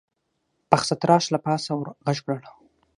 پخڅه تراش له پاسه ور غږ کړل: